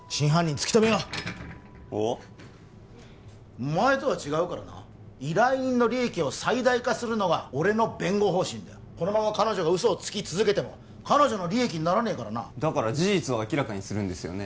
突き止めようッおッお前とは違うからな依頼人の利益を最大化するのが俺の弁護方針だ彼女が嘘をつき続けても彼女の利益にならねえだから事実を明らかにするんですよね